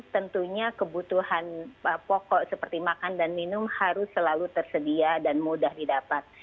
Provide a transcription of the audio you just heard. tentunya kebutuhan pokok seperti makan dan minum harus selalu tersedia dan mudah didapat